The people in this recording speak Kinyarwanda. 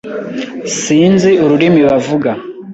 Sinzi ururimi bavuga.